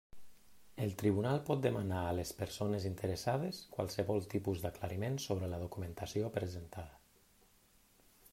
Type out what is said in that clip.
El tribunal pot demanar a les persones interessades qualsevol tipus d'aclariment sobre la documentació presentada.